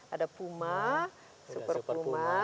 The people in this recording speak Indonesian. ada puma super puma